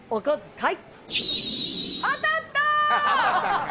はい。